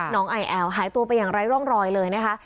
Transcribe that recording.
น้องไอแอลหายตัวไปอย่างไร้ร่องรอยเลยนะคะ